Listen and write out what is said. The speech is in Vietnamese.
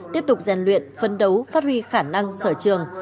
tiếp tục giàn luyện phân đấu phát huy khả năng sở trường